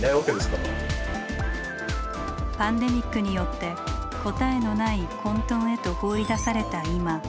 パンデミックによって答えのない「混沌」へと放り出された今。